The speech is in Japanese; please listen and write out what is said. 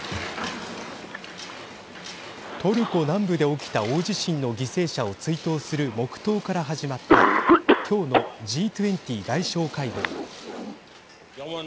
トルコ南部で起きた大地震の犠牲者を追悼する黙とうから始まった今日のＧ２０外相会合。